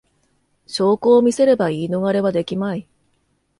証拠を見せれば言い逃れはできまい